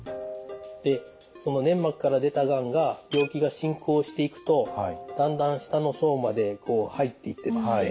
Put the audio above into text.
でその粘膜から出たがんが病気が進行していくとだんだん下の層まで入っていってですね。